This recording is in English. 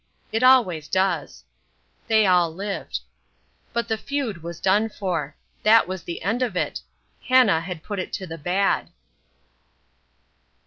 It always does. They all lived. But the feud was done for. That was the end of it. Hannah had put it to the bad.